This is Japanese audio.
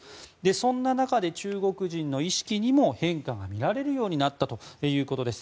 そんな中で、中国人の意識にも変化がみられるようになったということです。